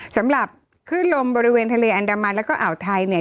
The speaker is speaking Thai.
สำหรับคลื่นลมบริเวณทะเลอันดามันแล้วก็อ่าวไทยเนี่ย